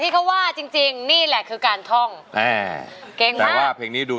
อีกอย่างคือหนู